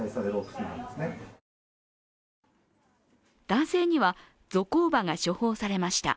男性にはゾコーバが処方されました。